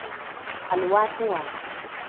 Aluwaatiwa.